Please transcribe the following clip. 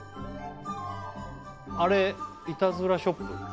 あれいたずらショップ？